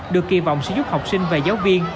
được kỳ vọng sẽ giúp học sinh và giáo viên